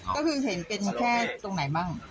ก็คือเห็นเป็นแค่ตรงไหนบ้าง